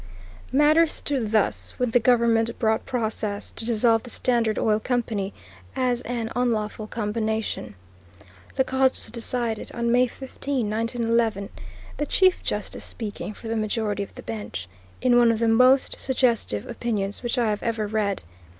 Matters stood thus when the government brought process to dissolve the Standard Oil Company, as an unlawful combination. The cause was decided on May 15, 1911, the Chief Justice speaking for the majority of the bench, in one of the most suggestive opinions which I have ever read.